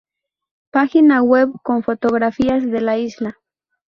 Página web con fotografías de la isla